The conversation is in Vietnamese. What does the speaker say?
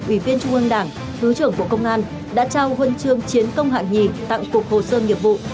ủy viên trung ương đảng thứ trưởng bộ công an đã trao huân chương chiến công hạng nhì tặng cục hồ sơ nghiệp vụ